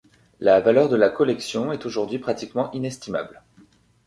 La valeur de la collection est aujourd'hui pratiquement inestimable.